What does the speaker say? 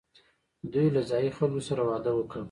دوی له ځايي خلکو سره واده وکړ